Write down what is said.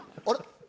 あれ？